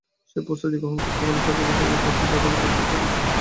সেই প্রস্তুতি গ্রহণ করতে হলে সরকারি-বেসরকারি খাতকে যৌথভাবে কাজ করতে হবে।